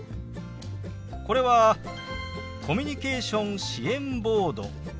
これは「コミュニケーション支援ボード」というものです。